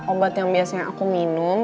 obat yang biasanya aku minum